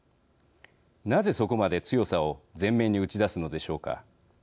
なぜ、そこまで強さを前面に打ち出すのでしょうか。